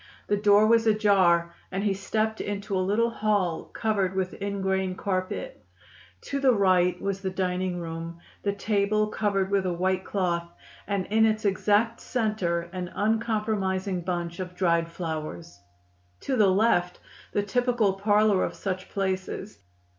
The door was ajar, and he stepped into a little hall covered with ingrain carpet. To the right was the dining room, the table covered with a white cloth, and in its exact center an uncompromising bunch of dried flowers. To the left, the typical parlor of such places.